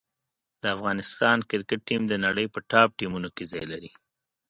د افغانستان کرکټ ټیم د نړۍ په ټاپ ټیمونو کې ځای لري.